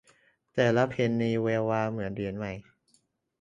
แต่ละเพนนีแวววาวเหมือนเหรียญใหม่